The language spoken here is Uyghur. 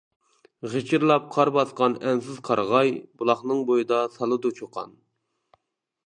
غىچىرلاپ قار باسقان ئەنسىز قارىغاي، بۇلاقنىڭ بويىدا سالىدۇ چۇقان!